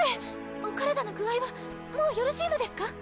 お体の具合はもうよろしいのですか？